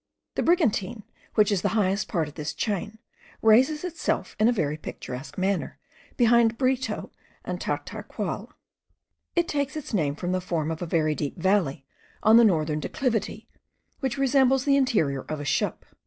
The Brigantine, which is the highest part of this chain, raises itself in a very picturesque manner behind Brito and Tataraqual. It takes its name from the form of a very deep valley on the northern declivity, which resembles the interior of a ship.